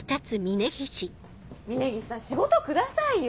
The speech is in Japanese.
仕事くださいよ！